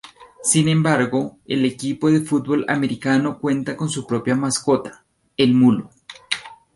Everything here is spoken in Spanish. Sin embargo, el equipo de fútbol americano cuenta con su propia mascota, el mulo.